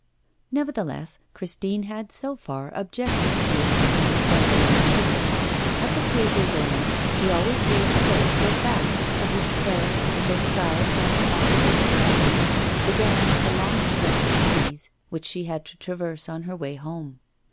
Nevertheless, Christine had so far objected to be accompanied farther than the Mail. At the Quai des Ormes she always bade Claude go back, as if Paris, with her crowds and possible encounters, began at the long stretch of quays which she had to traverse on her way home.